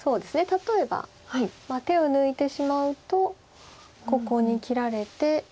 例えば手を抜いてしまうとここに切られて。